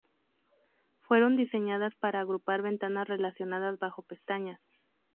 Fueron diseñadas para agrupar ventanas relacionadas bajo pestañas.